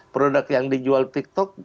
produk yang dijual tik tok